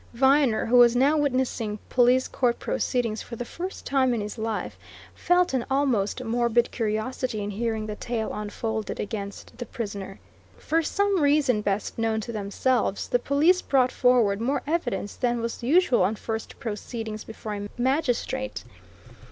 Viner, who was now witnessing police court proceedings for the first time in his life, felt an almost morbid curiosity in hearing the tale unfolded against the prisoner. For some reason, best known to themselves, the police brought forward more evidence than was usual on first proceedings before a magistrate.